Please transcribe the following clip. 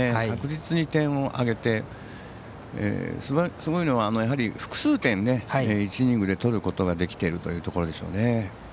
確実に点を挙げて、すごいのはやはり複数点、１イニングで取ることができているところでしょうね。